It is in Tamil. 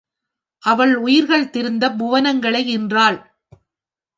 அவள் உயிர்கள் திருந்தப் புவனங்களை ஈன்றாள்.